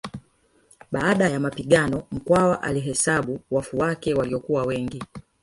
Baada ya mapigano Mkwawa alihesabu wafu wake waliokuwa wengi